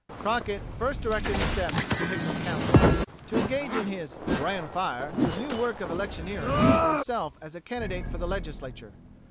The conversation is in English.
Crockett first directed his steps to Hickman County, to engage in his "bran fire" new work of electioneering for himself as a candidate for the Legislature.